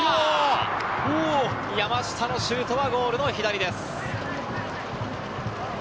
山下のシュートはゴールの左です。